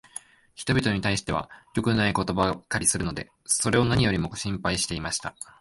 人びとに対しては良くないことばかりするので、それを何よりも心配していました。